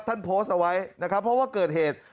โพสต์เอาไว้นะครับเพราะว่าเกิดเหตุ